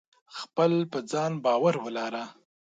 خپل په ځان باور ولره !